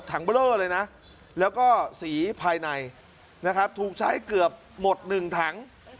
เบลอเลยนะแล้วก็สีภายในนะครับถูกใช้เกือบหมด๑ถัง